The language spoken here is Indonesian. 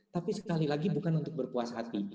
tapi sekali lagi bukan untuk berpuas hati